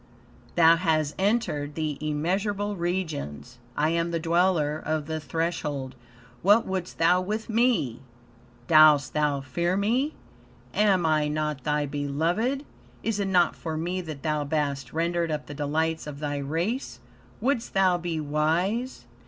"Thou hast entered the immeasurable regions. I am the Dweller of the Threshold. What wouldst thou with me? Dost thou fear me? Am I not thy beloved? Is it not for me that thou bast rendered up the delights of thy race? Wouldst thou be wise?